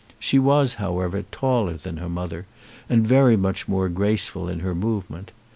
She was, however, taller than her mother, and very much more graceful in her movement.